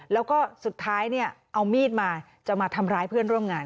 แล้วก็สุดท้ายเนี่ยเอามีดมาจะมาทำร้ายเพื่อนร่วมงาน